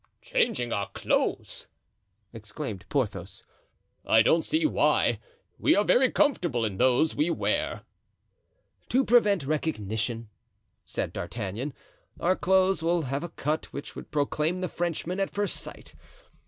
"Changing our clothes!" exclaimed Porthos. "I don't see why; we are very comfortable in those we wear." "To prevent recognition," said D'Artagnan. "Our clothes have a cut which would proclaim the Frenchman at first sight.